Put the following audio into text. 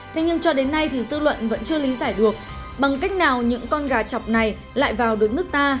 thế nhưng cho đến nay thì dư luận vẫn chưa lý giải được bằng cách nào những con gà chọc này lại vào được nước ta